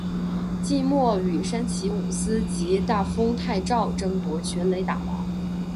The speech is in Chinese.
季末与山崎武司及大丰泰昭争夺全垒打王。